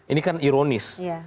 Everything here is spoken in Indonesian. ini kan ironis